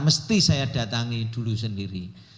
mesti saya datangi dulu sendiri